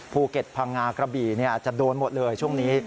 ภูเก็ตพังงากระบี่จะโดนหมดเลยช่วงนี้